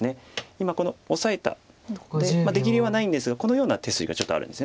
今このオサえたとこで出切りはないんですがこのような手筋がちょっとあるんです。